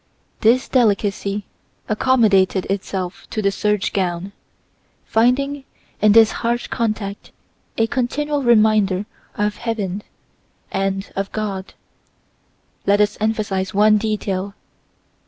This delicacy accommodated itself to the serge gown, finding in this harsh contact a continual reminder of heaven and of God. Let us emphasize one detail.